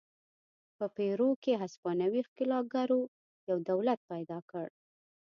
په پیرو کې هسپانوي ښکېلاکګرو یو دولت پیدا کړ.